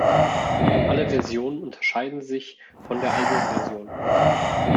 Alle Versionen unterscheiden sich von der Album-Version.